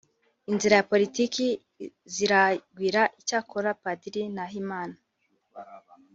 Inzira za politiki ziragwira icyakora Padiri Nahimana